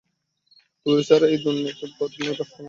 তোরে ছাড়া এই দুন্নইতে মুই বাঁচমুনারে।